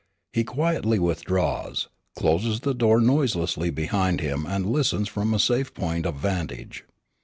He quietly withdraws, closes the door noiselessly behind him and listens from a safe point of vantage.